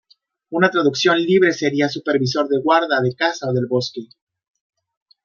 Una traducción libre sería supervisor de guarda de caza o del bosque.